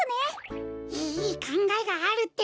いいかんがえがあるってか！